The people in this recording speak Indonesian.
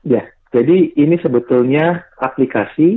ya jadi ini sebetulnya aplikasi